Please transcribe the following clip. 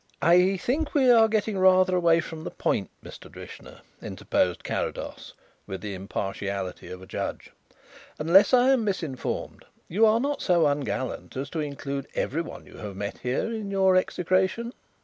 "I think we are getting rather away from the point, Mr. Drishna," interposed Carrados, with the impartiality of a judge. "Unless I am misinformed, you are not so ungallant as to include everyone you have met here in your execration?"